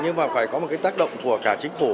nhưng mà phải có một cái tác động của cả chính phủ